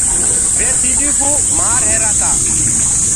وي تيڏينٚ ڪو ڪونآ مر رهيرآ تآ۔